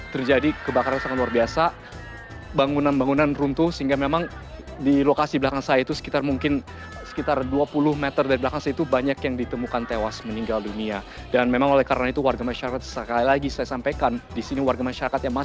terima kasih pak deddy terima kasih pak deddy